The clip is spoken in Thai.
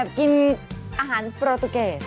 แอบกินอาหารประตุกเกต